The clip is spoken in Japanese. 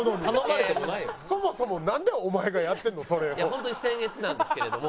ホントに僭越なんですけれども。